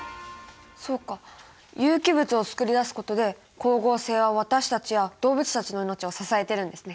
そうか有機物を作り出すことで光合成は私たちや動物たちの命を支えてるんですね。